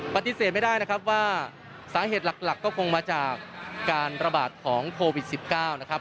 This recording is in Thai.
ปฏิเสธไม่ได้นะครับว่าสาเหตุหลักก็คงมาจากการระบาดของโควิด๑๙นะครับ